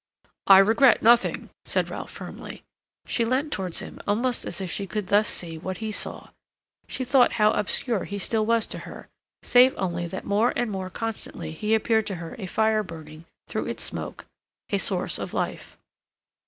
"I regret nothing," said Ralph firmly. She leant towards him almost as if she could thus see what he saw. She thought how obscure he still was to her, save only that more and more constantly he appeared to her a fire burning through its smoke, a source of life.